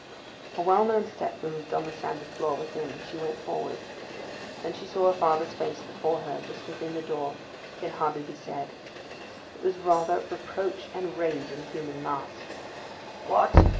A well known step moved on the sanded floor within, and she went forward. That she saw her father's face before her, just within the door, can hardly be said: it was rather Reproach and Rage in a human mask. 'What!